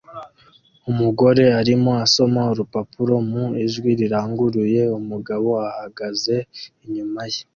Umugore arimo asoma urupapuro mu ijwi riranguruye umugabo ahagaze inyuma ye